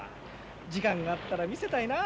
時間があったら見せたいな。